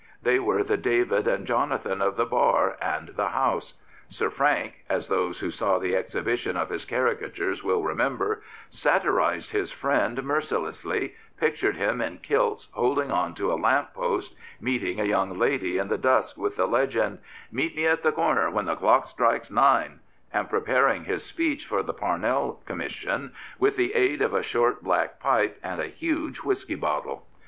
They were the David and Jonathan of the Bar and the House. Sir Frank — as those who saw the exhibition of his caricatures will remember — satirised his friend mercilessly, pictured him in kilts holding on to a lamp post, meeting a young lady in 199 Prophets, Priests, and Kings the dusk with the legend, " Meet me at the corner when the clock strikes nine,'* and preparing his speech for the Parnell Commission with the aid of a short black pipe and a huge whisky bottle.